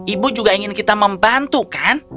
ibu juga ingin kita membantu kan